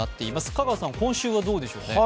香川さん、今週はどうでしょうね？